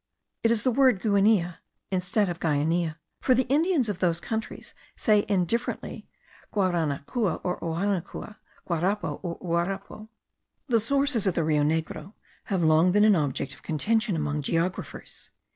It is the word Gueneya, instead of Guainia; for the Indians of those countries say indifferently Guaranacua or Ouaranacua, Guarapo or Uarapo. The sources of the Rio Negro have long been an object of contention among geographers.